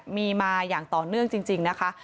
มีมาอย่างต่อเนื่องจริงนะคะ